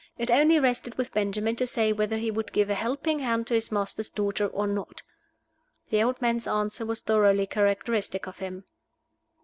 It only rested with Benjamin to say whether he would give a helping hand to his master's daughter or not. The old man's answer was thoroughly characteristic of him.